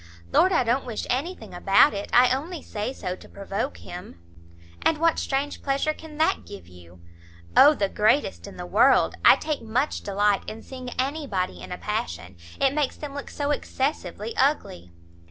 "Lord, I don't wish anything about it! I only say so to provoke him." "And what strange pleasure can that give you?" "O the greatest in the world! I take much delight in seeing anybody in a passion. It makes them look so excessively ugly!"